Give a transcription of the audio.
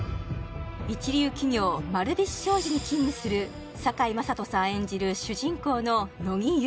一流企業丸菱商事に勤務する堺雅人さん演じる主人公の乃木憂